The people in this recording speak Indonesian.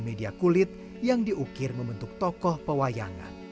membuat wajah kulit yang diukir membentuk tokoh pewayangan